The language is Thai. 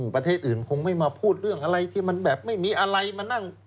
ประเทศอื่นคงไม่มาพูดเรื่องอะไรที่มันแบบไม่มีอะไรมานั่ง